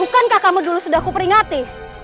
bukankah kamu dulu sudah kuperingati